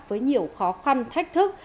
với nhiều khó khăn thách thức